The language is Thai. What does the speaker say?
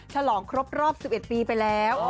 ฉลองครบรอบ๑๑ปีไปแล้ว